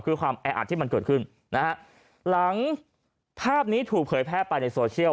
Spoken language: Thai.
คือความแออัดที่มันเกิดขึ้นนะฮะหลังภาพนี้ถูกเผยแพร่ไปในโซเชียล